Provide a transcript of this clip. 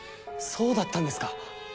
そうだったんですか。